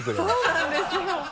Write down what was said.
そうなんですよ！